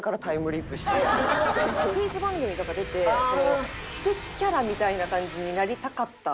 クイズ番組とか出て知的キャラみたいな感じになりたかった。